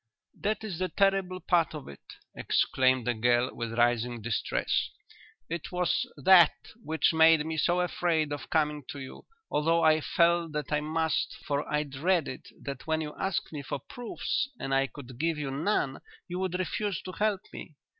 "That is the terrible part of it," exclaimed the girl, with rising distress. "It was that which made me so afraid of coming to you, although I felt that I must, for I dreaded that when you asked me for proofs and I could give you none you would refuse to help me.